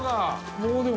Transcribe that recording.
もうでも。